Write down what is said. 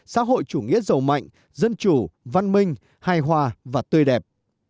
xã hội chủ nghĩa giàu mạnh dân chủ văn minh hài hòa và tươi đẹp